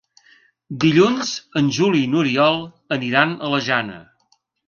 Dilluns en Juli i n'Oriol aniran a la Jana.